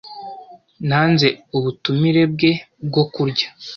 Nanze ubutumire bwe bwo kurya.